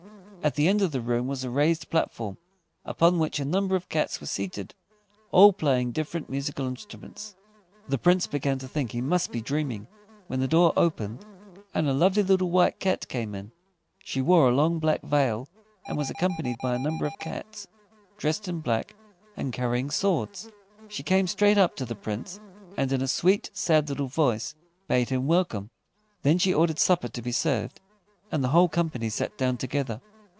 At the end of the room was a raised platform, upon which a number of cats were seated, all playing different musical instruments. The Prince began to think he must be dreaming, when the door opened, and a lovely little White Cat came in. She wore a long black veil, and was accompanied by a number of cats, dressed in black, and carrying swords. She came straight up to the Prince, and in a sweet, sad little voice bade him welcome. Then she ordered supper to be served, and the whole company sat down together.